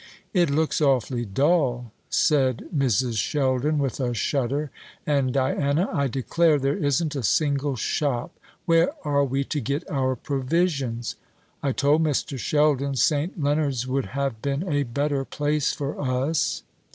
"It looks awfully dull!" said Mrs. Sheldon, with a shudder; "and, Diana, I declare there isn't a single shop. Where are we to get our provisions? I told Mr. Sheldon St. Leonards would have been a better place for us."